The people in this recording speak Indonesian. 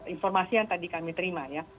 informasi yang tadi kami terima ya